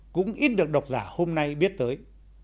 cũng ít được độc giả hôm nay biết tới